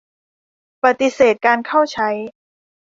ปฏิเสธการเข้าใช้.